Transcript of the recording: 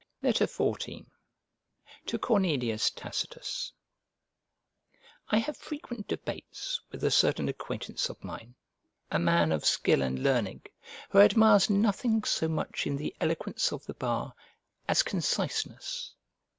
XIV TO CORNELIUS TACITUS I HAVE frequent debates with a certain acquaintance of mine, a man of skill and learning, who admires nothing so much in the eloquence of the bar as conciseness.